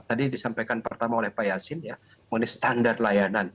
tadi disampaikan pertama oleh pak yasin ya mengenai standar layanan